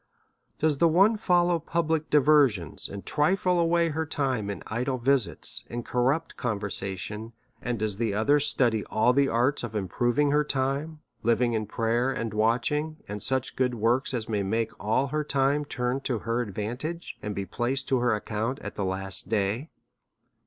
Does the one fol low public diversions, and trifle away her time in idle visits and corrupt conversation ; and does the other study all the arts of improving her time, living in prayer and watching, and such good works as may make all her time turn to her advantage, and be placed to her account at the last day?